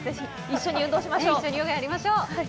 一緒にヨガやりましょう。